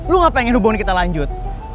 lo gak pengen hubungin kita lanjut